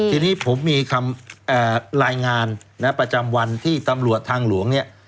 ทีนี้ผมมีคำรายงานประจำวันที่ตำรวจทางหลวงเนี่ย